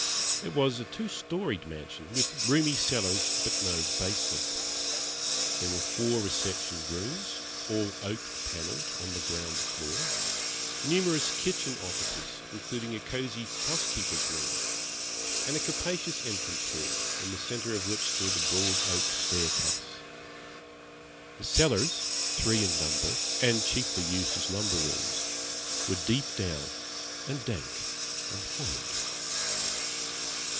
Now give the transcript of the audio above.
It was a two storeyed mansion, with roomy cellars but no basement. There were four reception rooms all oak panelled on the ground floor; numerous kitchen offices, including a cosy housekeeper's room; and a capacious entrance hall, in the centre of which stood a broad oak staircase. The cellars, three in number, and chiefly used as lumber rooms, were deep down and dank and horrid.